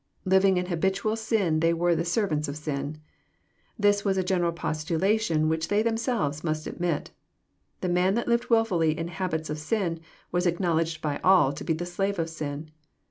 Living in habitual sin they were the <' servants of sin." This was a general proposition which they themselves must ad mit. The man that lived wilfully In habits of sin was acknowl edged by all to be the slave of sin.